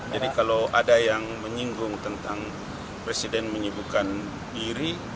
kalau ada yang menyinggung tentang presiden menyibukkan diri